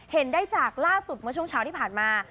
เห็นได้จากล่าสุดเมื่อช่วงเช้าที่ผ่านมา